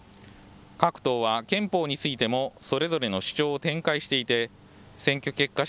各党は、憲法についてもそれぞれの主張を展開していて選挙結果